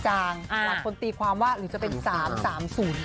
หลักคนตีความว่าหรือจะเป็น๓๓๐ก็ได้